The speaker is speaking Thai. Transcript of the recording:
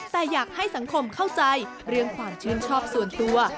แต่อยากให้สังคมเข้าใจเรื่องความชื่นชอบส่วนตัว